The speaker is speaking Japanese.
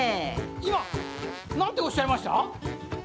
いまなんておっしゃいました？